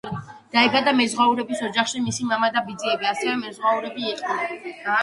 დაიბადა მეზღვაურების ოჯახში: მისი მამა და ბიძები ასევე მეზღვაურები იყვნენ.